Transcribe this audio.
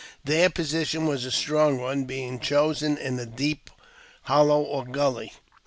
Their position was a strong one, being chosen in a deep hollow gully.